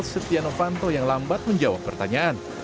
hakim sempat menyentil setiano fanto yang lambat menjawab pertanyaan